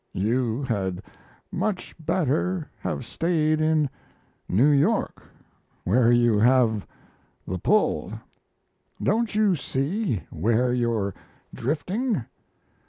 You had much better have stayed in New York, where you have the pull. Don't you see where you're drifting.